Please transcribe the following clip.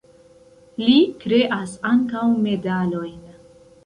Li kreas ankaŭ medalojn.